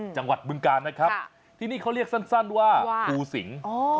จังหวัดบึงกาลนะครับที่นี่เขาเรียกสั้นสั้นว่าภูสิง